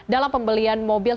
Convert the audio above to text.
dalam pembelian mobil